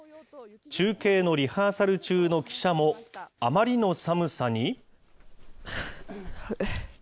中継のリハーサル中の記者も、あまりの寒さに。